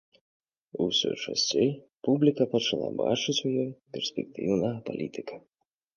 Усё часцей публіка пачала бачыць у ёй перспектыўнага палітыка.